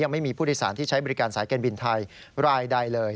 ไม่มีผู้โดยสารที่ใช้บริการสายการบินไทยรายใดเลย